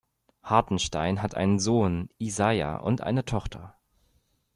Hartenstein hat einen Sohn, Isaiah, und eine Tochter.